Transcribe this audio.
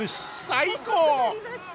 最高！